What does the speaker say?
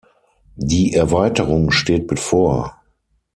Die Erweiterung steht bevor.